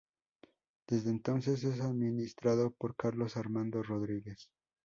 Desde entonces es administrado por Carlos Armando Rodríguez.